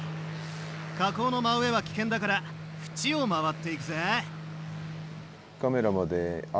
火口の真上は危険だから縁を回っていくぜ。